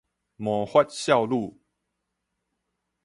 魔法少女